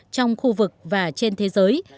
trong khu vực và trên thế giới